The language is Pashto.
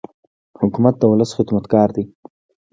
حکومت د ولس خدمتګار دی.